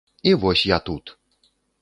І вось я тут!